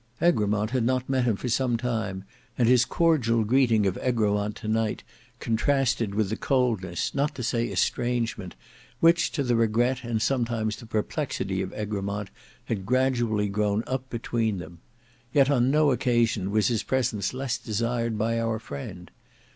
Egremont had not met him for some time, and his cordial greeting of Egremont to night contrasted with the coldness, not to say estrangement, which to the regret and sometimes the perplexity of Egremont had gradually grown up between them. Yet on no occasion was his presence less desired by our friend.